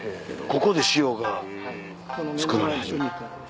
ここで塩が作られ始めた。